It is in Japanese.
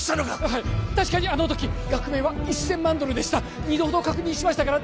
はい確かにあの時額面は１千万ドルでした二度ほど確認しましたから